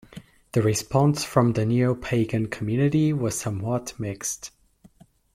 The response from the Neopagan community was somewhat mixed.